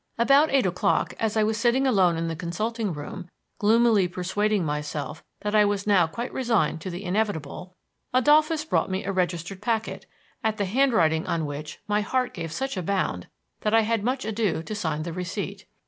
About eight o'clock, as I was sitting alone in the consulting room, gloomily persuading myself that I was now quite resigned to the inevitable, Adolphus brought me a registered packet, at the handwriting on which my heart gave such a bound that I had much ado to sign the receipt.